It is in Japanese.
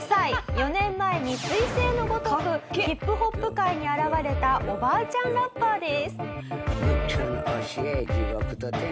４年前に彗星のごとくＨＩＰＨＯＰ界に現れたおばあちゃんラッパーです。